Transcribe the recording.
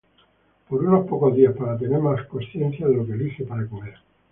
por unos pocos días para tener más consciencia de lo que elige para comer